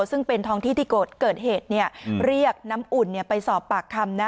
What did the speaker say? ซึ่งเป็นท้องที่ที่เกิดเหตุเรียกน้ำอุ่นไปสอบปากคำนะ